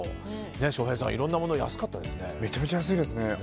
翔平さん、いろんなものが安かったですね。